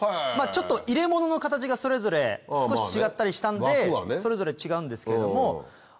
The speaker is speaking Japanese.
ちょっと入れ物の形がそれぞれ少し違ったりしたんでそれぞれ違うんですけども。